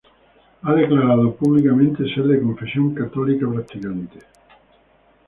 Ha declarado públicamente ser de confesión católica practicante.